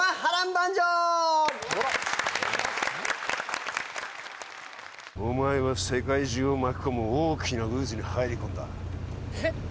万丈お前は世界中を巻き込む大きな渦に入り込んだへっ？